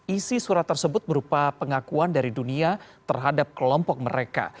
isi surat tersebut berupa pengakuan dari dunia terhadap kelompok mereka